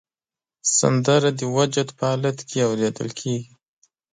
سندره د وجد په حالت کې اورېدل کېږي